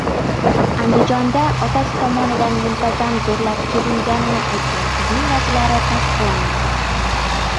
Andijonda otasi tomonidan muntazam zo‘rlab kelinganini aytgan qizning vajlari tasdiqlanmadi